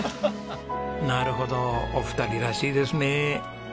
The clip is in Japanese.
なるほどお二人らしいですね。